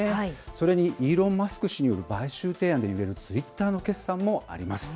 それに、イーロン・マスク氏による買収提案に揺れるツイッターの決算もあります。